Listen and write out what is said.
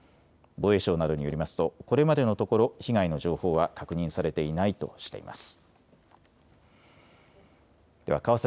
防衛省などによりますとこれまでのところ被害の情報は確認されていないとしています。